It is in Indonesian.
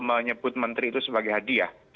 menyebut menteri itu sebagai hadiah